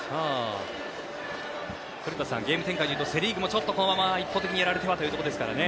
古田さん、ゲーム展開でいうとセ・リーグもこのまま一方的にやられてはというところですね。